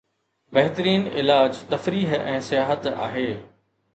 بهترين علاج تفريح ۽ سياحت آهي